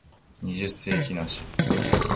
二十世紀梨